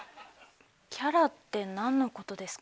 キャラって何のことですか？